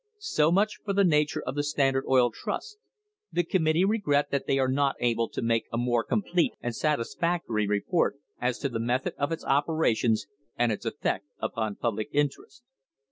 So much for the nature of the Standard Oil Trust. The committee regret that they are not able to make a more complete and satisfactory report as to the method of its operations and its effect upon public interests.